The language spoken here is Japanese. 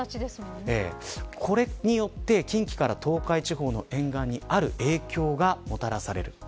これによって近畿から東海地方の沿岸にある影響がもたらされる。